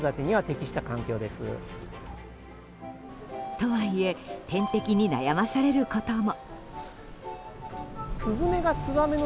とはいえ天敵に悩まされることも。